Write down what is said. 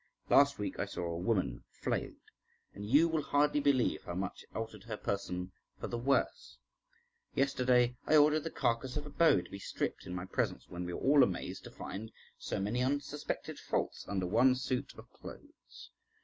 Last week I saw a woman flayed, and you will hardly believe how much it altered her person for the worse. Yesterday I ordered the carcass of a beau to be stripped in my presence, when we were all amazed to find so many unsuspected faults under one suit of clothes.